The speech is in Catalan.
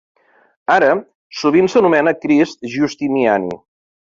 Ara, sovint s'anomena Crist Giustiniani.